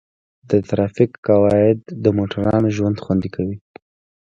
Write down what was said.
د ټرافیک قواعد د موټروانو ژوند خوندي کوي.